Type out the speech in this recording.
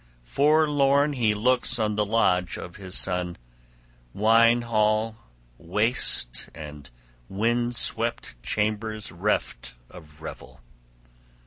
Forlorn he looks on the lodge of his son, wine hall waste and wind swept chambers reft of revel.